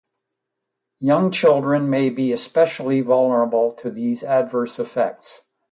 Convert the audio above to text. Young children may be especially vulnerable to these adverse effects.